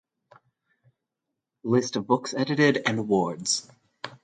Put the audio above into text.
List of books edited and awards